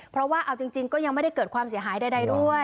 เพราะว่าเอาจริงก็ยังไม่ได้เกิดความเสียหายใดด้วย